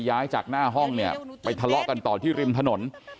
ย้ายจากหน้าห้องเนี่ยไปทะเลาะกันต่อที่ริมถนน